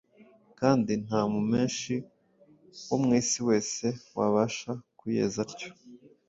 kandi nta mumeshi wo mu isi wese wabasha kuyeza atyo”